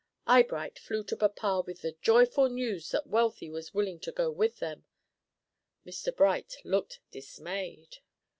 Eyebright flew to papa with the joyful news that Wealthy was willing to go with them. Mr. Bright looked dismayed.